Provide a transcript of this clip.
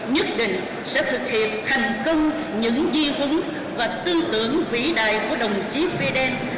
nhất định sẽ thực hiện thành công những di vấn và tư tưởng vĩ đại của đồng chí fidel